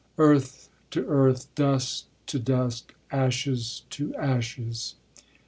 Earth to earth, dust to dust, ashes to ashes!